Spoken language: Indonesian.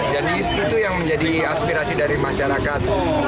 jadi itu yang menjadi aspirasi dari masyarakat